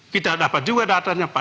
kita dapat juga data nyapa